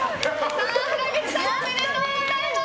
原口さんおめでとうございます！